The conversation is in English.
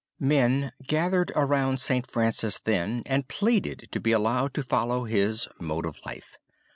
Men gathered around St. Francis then and pleaded to be allowed to follow his mode of life.